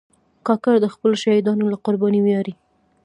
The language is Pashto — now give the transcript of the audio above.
کاکړ د خپلو شهیدانو له قربانۍ ویاړي.